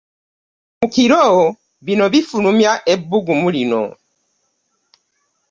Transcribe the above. Mu kiro bino bifulumya ebbugumu lino